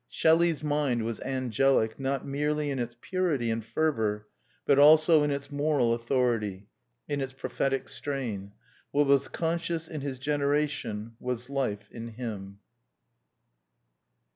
Shelley's mind was angelic not merely in its purity and fervour, but also in its moral authority, in its prophetic strain. What was conscience in his generation was life in him.